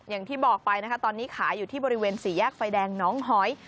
อย่างที่บอกไปนะคะตอนนี้ขายอยู่ที่บริเวณสี่แยกไฟแดงน้องหอย